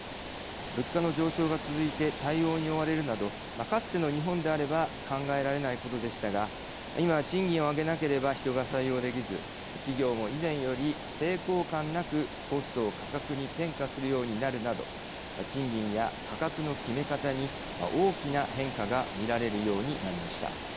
物価の上昇が続いて対応に追われるなどかつての日本であれば考えられないことでしたが今は賃金を上げなければ人が採用できず企業も以前より、抵抗感なくコストを価格に転嫁するようになるなど賃金や価格の決め方に大きな変化が見られるようになりました。